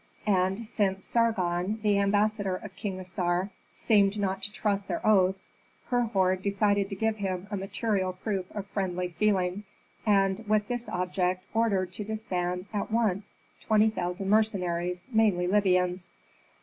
And since Sargon, the ambassador of King Assar, seemed not to trust their oaths, Herhor decided to give him a material proof of friendly feeling, and, with this object, ordered to disband at once twenty thousand mercenaries, mainly Libyans.